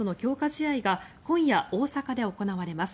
試合が今夜、大阪で行われます。